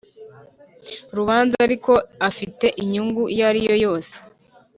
Rubanza ariko afite inyungu iyo ari yo yose